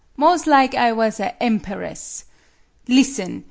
'Mos' lig I was a emperess. Listen!